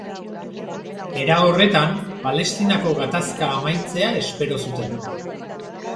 Era horretan, Palestinako gatazka amaitzea espero zuten.